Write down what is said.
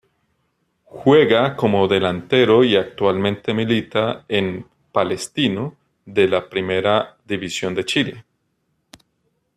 Juega como delantero y actualmente milita en Palestino de la Primera División de Chile.